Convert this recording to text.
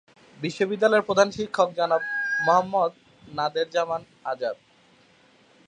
বিদ্যালয়ের প্রধান শিক্ষক জনাব মোহাম্মদ নাদের জামান আজাদ।